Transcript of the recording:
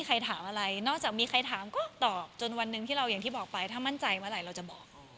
ขอบคุณนะครับ